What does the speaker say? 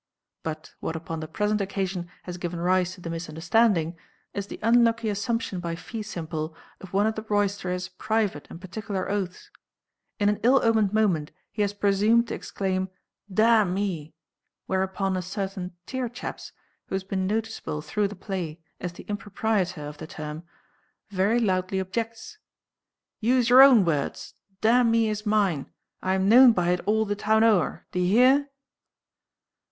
But what upon the present occasion has given rise to the misunderstanding, is the unlucky assumption by Feesimple of one of the roysterers' private and particular oaths. In an ill omened moment he has presumed to exclaim, "Damn me!" whereupon a certain Tearchaps who has been noticeable through the play as the improprietor of the term, very loudly objects "Use your own words, damn me is mine; I am known by it all the town o'er. D'ye hear?"